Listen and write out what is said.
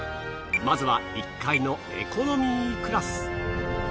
まずは１階のエコノミークラス。